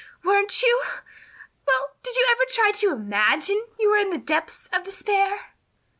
"Weren't you? Well, did you ever try to imagine you were in the depths of despair?"